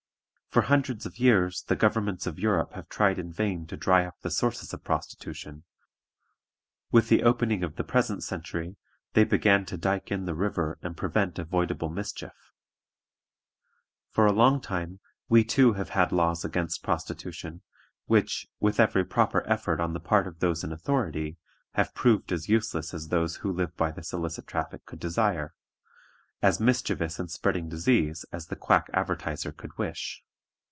For hundreds of years the governments of Europe have tried in vain to dry up the sources of prostitution; with the opening of the present century they began to dike in the river and prevent avoidable mischief. For a long time we too have had laws against prostitution, which, with every proper effort on the part of those in authority, have proved as useless as those who live by this illicit traffic could desire as mischievous in spreading disease as the quack advertiser could wish.